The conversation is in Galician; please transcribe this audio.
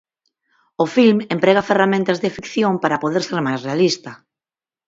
O filme emprega ferramentas de ficción para poder ser máis realista.